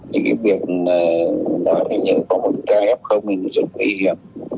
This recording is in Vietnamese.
những cái việc nói thì nhớ có một người ta ép không thì nó rất nguy hiểm